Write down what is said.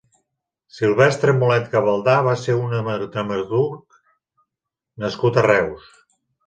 Silvestre Molet Gavaldà va ser un dramaturg nascut a Reus.